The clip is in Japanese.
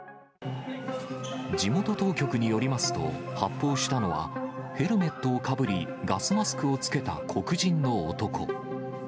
地元当局によりますと、発砲したのは、ヘルメットをかぶりガスマスクを着けた黒人の男。